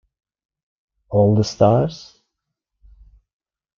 All the stars?